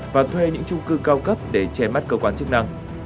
và thuê những trung cư cao cấp để che mắt cơ quan chức năng